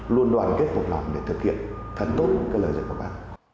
luôn đoàn kết phục lòng để thực hiện thật tốt lời dạy của bác